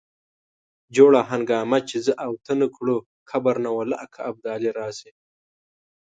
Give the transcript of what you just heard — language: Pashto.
جوړه هنګامه چې زه او ته نه کړو قبر نه والله که ابدالي راشي.